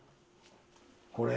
これ？